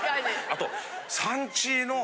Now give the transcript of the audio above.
あと。